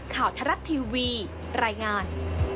ข่าวทรัพย์ทีวีรายงาน